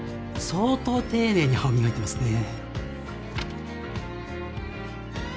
相当丁寧に歯を磨いてますね